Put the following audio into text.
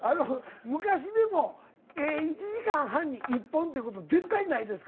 昔でも１時間半に１本ってこと絶対ないですから。